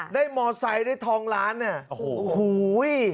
ได้มอไซด์ได้ทองล้านเนี่ย